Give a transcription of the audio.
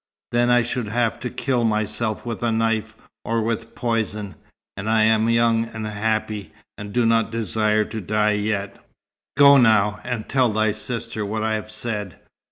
Then I should have to kill myself with a knife, or with poison; and I am young and happy, and do not desire to die yet. Go now, and tell thy sister what I have said.